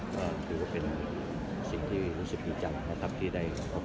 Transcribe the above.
ก็คือว่าเป็นสิ่งที่รู้สึกดีจังนะครับที่ได้พบแล้วนะครับ